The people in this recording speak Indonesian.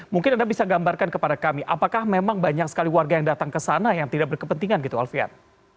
mungkin anda bisa gambarkan kepada kami apakah memang banyak sekali warga yang datang ke sana yang tidak berkepentingan gitu alfian